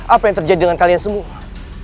apa yang terjadi dengan kalian semua